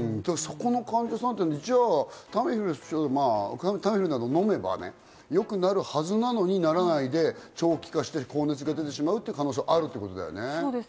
じゃあ、タミフルなど飲めばよくなるはずなのに、ならないで長期化して高熱が出てしまう可能性があるっていうことだよね。